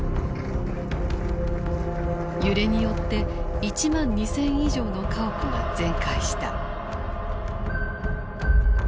揺れによって１万２，０００以上の家屋が全壊した。